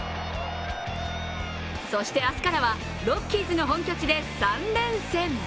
そして、明日からはロッキーズの本拠地で３連戦。